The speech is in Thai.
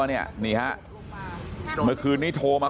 นี่ฮะเมื่อคืนนี้โทรมา